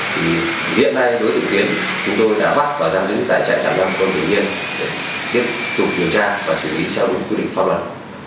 thì hiện nay đối tượng tiến chúng tôi đã bắt và đăng đến tài trại trả lăng của thủy nhiên để tiếp tục điều tra và xử lý sau quy định pháp luật